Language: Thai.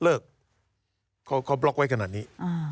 เลิกเขาบล็อกไว้ขนาดนี้